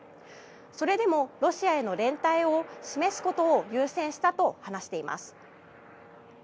それでもウクライナへの連帯を示すことを優先したと話しています。